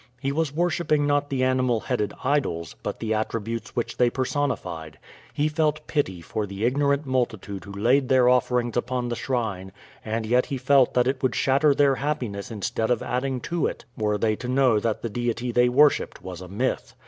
He was worshiping not the animal headed idols, but the attributes which they personified. He felt pity for the ignorant multitude who laid their offerings upon the shrine; and yet he felt that it would shatter their happiness instead of adding to it were they to know that the deity they worshiped was a myth.